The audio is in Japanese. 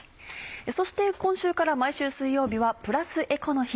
そして今週から毎週水曜日はプラスエコの日。